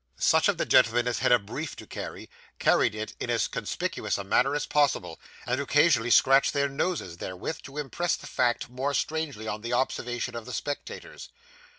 Such of the gentlemen as had a brief to carry, carried it in as conspicuous a manner as possible, and occasionally scratched their noses therewith, to impress the fact more strongly on the observation of the spectators.